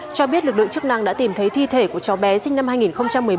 cho biết lực lượng chức năng đã tìm thấy thi thể của cháu bé sinh năm hai nghìn một mươi bảy